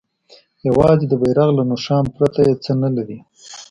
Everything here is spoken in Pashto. یوازې د بیرغ له نښان پرته یې څه نه لري.